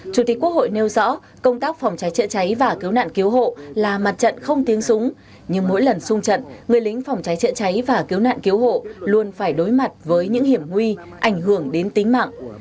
chủ tịch quốc hội nêu rõ công tác phòng cháy chữa cháy và cứu nạn cứu hộ là mặt trận không tiếng súng nhưng mỗi lần sung trận người lính phòng cháy chữa cháy và cứu nạn cứu hộ luôn phải đối mặt với những hiểm nguy ảnh hưởng đến tính mạng